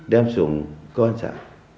đem xuống công an xã